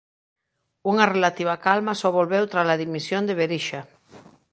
Unha relativa calma só volveu trala dimisión de Berisha.